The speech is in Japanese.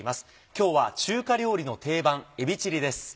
今日は中華料理の定番「えびチリ」です。